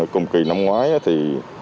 cùng kỳ năm ngoái